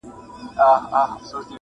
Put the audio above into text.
• ځکه مي لمر ته وویل -